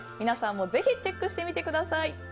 皆さんもぜひチェックしてみてください。